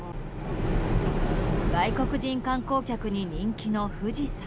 外国人観光客に人気の富士山。